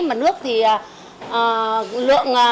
mà nước thì lượng